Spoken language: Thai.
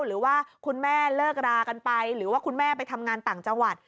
หรือว่าคุณแม่เลิกรากันไปหรือว่าคุณแม่ไปทำงานต่างจังหวัด